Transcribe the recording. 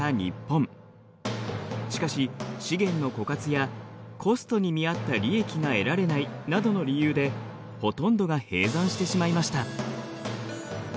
しかし資源の枯渇やコストに見合った利益が得られないなどの理由でほとんどが閉山してしまいました。